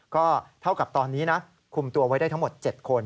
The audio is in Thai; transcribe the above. ก็เท่ากับตอนนี้นะคุมตัวไว้ได้ทั้งหมด๗คน